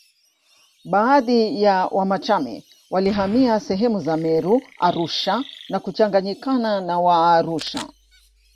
Baadhi ya Wamachame walihamia sehemu za Meru Arusha na kuchanganyikana na Waarusha